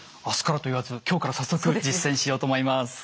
明日からと言わず今日から早速実践しようと思います。